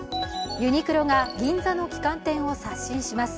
ユニクロが銀座の旗艦店を刷新します。